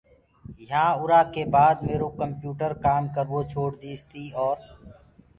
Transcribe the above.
يهآنٚ آرآ ڪي بآد ميرو ڪمپِيوٽر ڪآم ڪروو ڇوڙديٚس تي اورَ